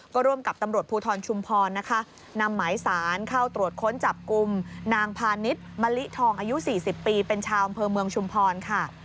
ก็ร่วมกับตำรวจภูทรชุมพรนะคะนำหมายสารเข้าตรวจค้นจับกลุ่มนางพาณิชมะลิทองอายุ๔๐ปีเป็นชาวอำเภอเมืองชุมพรค่ะ